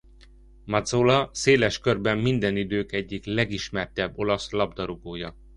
Mazzola széles körben minden idők egyik legismertebb olasz labdarúgója.